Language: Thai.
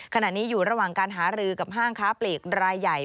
ขณะนี้อยู่ระหว่างการหารือกับห้างค้าปลีกรายใหญ่